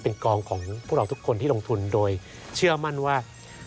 เป็นกองของพวกเราทุกคนที่ลงทุนโดยเชื่อมั่นว่า